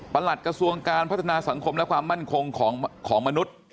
หลัดกระทรวงการพัฒนาสังคมและความมั่นคงของมนุษย์